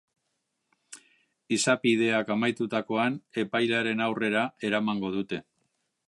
Izapideak amaitutakoan, epailearen aurrera eramango dute.